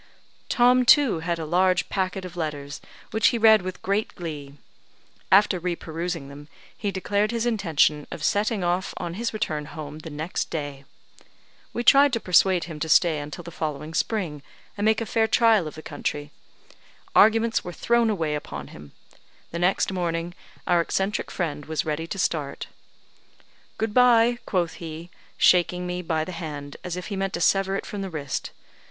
Tom, too, had a large packet of letters, which he read with great glee. After re perusing them, he declared his intention of setting off on his return home the next day. We tried to persuade him to stay until the following spring, and make a fair trial of the country. Arguments were thrown away upon him; the next morning our eccentric friend was ready to start. "Good bye!" quoth he, shaking me by the hand as if he meant to sever it from the wrist.